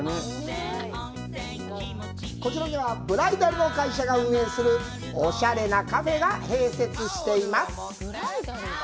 こちらにはブライダルの会社が運営するおしゃれなカフェが併設しています。